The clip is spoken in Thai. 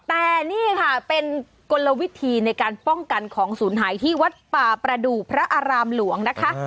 แต่นี่ค่ะเป็นกลวิธีในการป้องกันของศูนย์หายที่วัดป่าประดูกพระอารามหลวงนะคะ